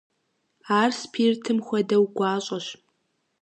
Ар спиртым хуэдэу гуащӀэщ.